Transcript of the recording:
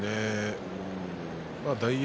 大栄